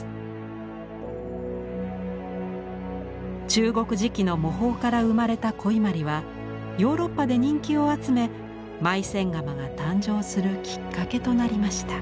中国磁器の模倣から生まれた古伊万里はヨーロッパで人気を集めマイセン窯が誕生するきっかけとなりました。